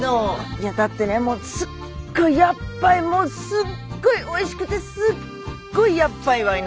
いやだってねもうすっごいやっばいもうすっごいおいしくてすっごいやっばいワイナリーがあるらしいんですよ。